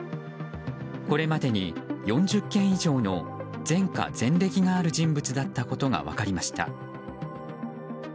これまでに４０件以上の前科・前歴がある人物だったことが分かりました。